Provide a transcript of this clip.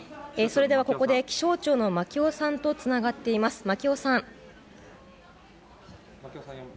それではここで気象庁のマキオさんとつながっています。